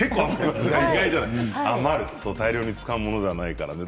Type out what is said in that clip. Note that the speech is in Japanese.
大量に使うものじゃないからね。